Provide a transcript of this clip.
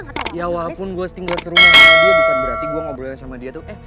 nggak tahu ya walaupun gue tinggal serumah dia bukan berarti gue ngobrolin sama dia tuh eh